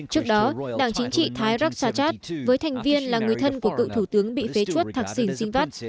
trước đó đảng chính trị thái raksasat với thành viên là người thân của cựu thủ tướng bị phế chuốt thạc xỉn dinh vắt